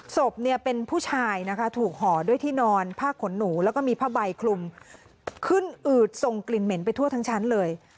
ศพเนี่ยเป็นผู้ชายนะคะถูกห่อด้วยที่นอนผ้าขนหนูแล้วก็มีผ้าใบคลุมขึ้นอืดส่งกลิ่นเหม็นไปทั่วทั้งชั้นเลย